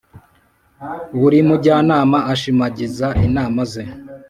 Buri mujyanama ashimagiza inama ze,